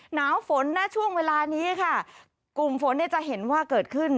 หนาวฝนณช่วงเวลานี้ค่ะกลุ่มฝนเนี่ยจะเห็นว่าเกิดขึ้น